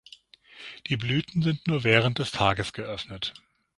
Die Blüten sind nur während des Tages geöffnet.